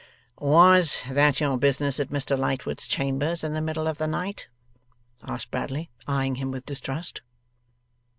'Was that your business at Mr Lightwood's chambers in the middle of the night?' asked Bradley, eyeing him with distrust.